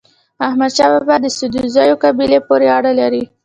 احمد شاه بابا د سدوزيو قبيلې پورې اړه لري.